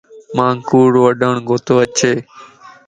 مانک ڪوڙ وڊاڻ ڪوتو اچي